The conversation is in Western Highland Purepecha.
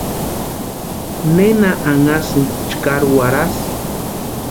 ¿Nena anhasïnki chkari warhasï?